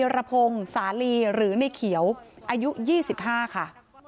รพงศ์สาลีหรือในเขียวอายุ๒๕ค่ะ